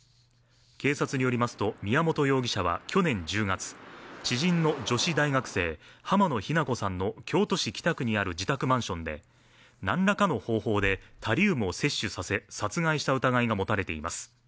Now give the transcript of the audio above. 警察によりますと宮本容疑者は去年１０月、知人の女子大学生濱野日菜子さんの京都市北区にある自宅マンションで何らかの方法でタリウムを摂取させ殺害した疑いが持たれています。